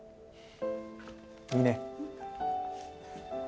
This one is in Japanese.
いいね。